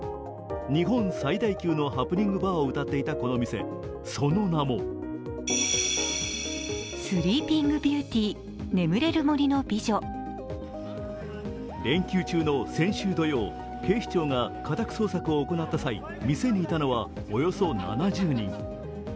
日本最大級のハプニングバーをうたっていたこのお店、その名も連休中の先週土曜警視庁が家宅捜索を行った際店にいたのはおよそ７０人。